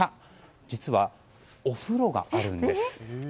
実は、お風呂があるんです。